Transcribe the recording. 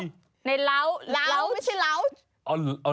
ราวด์ไม่ใช่ลาวด์